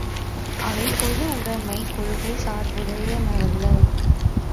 அவை, பொது உடைமைக் கொள்கைச் சார்புடையனவல்ல.